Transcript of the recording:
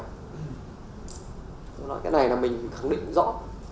tôi nói cái này là mình khẳng định rõ